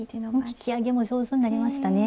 引き上げも上手になりましたね。